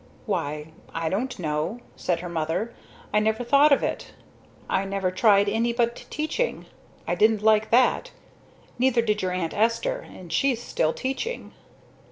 "Why I don't know," said her mother. "I never thought of it. I never tried any but teaching. I didn't like that. Neither did your Aunt Esther, but she's still teaching."